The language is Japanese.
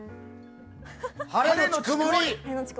晴れのち曇り。